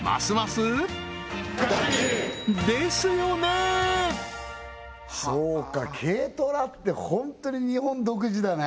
あそうか軽トラってホントに日本独自だね